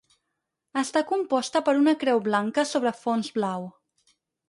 Està composta per una creu blanca sobre fons blau.